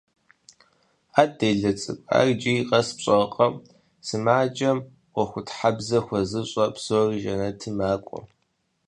– А делэ цӀыкӀу, ар иджыри къэс пщӀэркъэ: сымаджэм Ӏуэхутхьэбзэ хуэзыщӀэ псори жэнэтым макӀуэ.